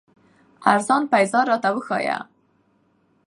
ارزان پېزار راته وښايه